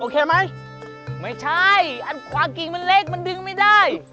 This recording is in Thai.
ไหมไม่ใช่อันความกิ่งมันเล็กมันดึงไม่ได้